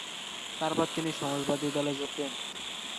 তারপর তিনি সমাজবাদী দলে যোগ দেন।